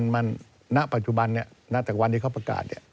มันณปัจจุบันนี้ณจากวันที่เขาประกาศ